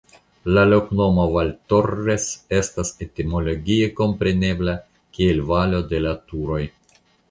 La loknomo "Valtorres" estas etimologie komprenebla kiel "Valo de la Turoj".